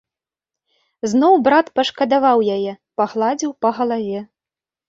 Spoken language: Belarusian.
Зноў брат пашкадаваў яе, пагладзіў па галаве.